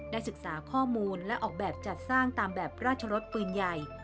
ศึกษาข้อมูลและออกแบบจัดสร้างตามแบบราชรสปืนใหญ่